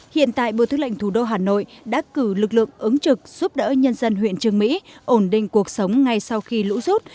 hiện tại bộ thức lệnh thủ đô hà nội đã cử lực lượng ứng trực giúp đỡ nhân dân huyện trường mỹ ổn định cuộc sống ngay sau khi lũ rút